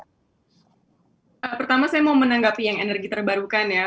pertama saya mau menanggapi yang energi terbarukan ya